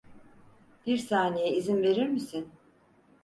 Bir saniye izin verir misin?